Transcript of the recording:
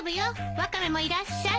ワカメもいらっしゃい。